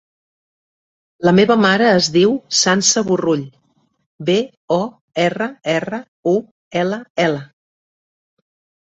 La meva mare es diu Sança Borrull: be, o, erra, erra, u, ela, ela.